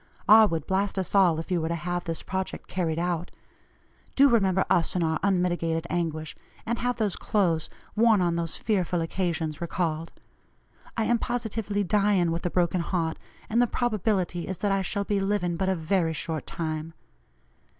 R. would blast us all if you were to have this project carried out. Do remember us in our unmitigated anguish, and have those clothes, worn on those fearful occasions, recalled. I am positively dying with a broken heart, and the probability is that I shall be living but a very short time.